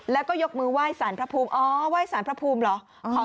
แล้วก็ยกมือไหว้สารพระภูมิอ๋อไหว้สารพระภูมิเหรอ